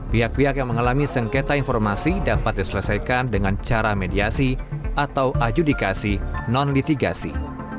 pihak pihak yang mengalami sengketa informasi dapat diselesaikan dengan cara mediasi atau adjudikasi non litigasi